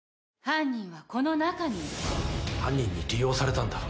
「犯人はこの中にいる」「犯人に利用されたんだ」